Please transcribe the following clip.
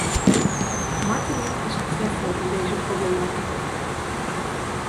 Marteling is het trefwoord in deze problematiek.